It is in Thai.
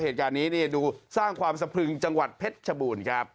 เหตุการณ์นี้ดูสร้างความสะพรึงจังหวัดเพชรชบูรณ์ครับ